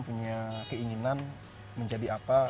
punya keinginan menjadi apa